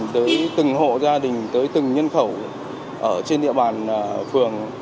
tới từng hộ gia đình tới từng nhân khẩu ở trên địa bàn phường